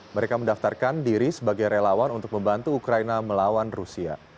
mereka mendaftarkan diri sebagai relawan untuk membantu ukraina melawan rusia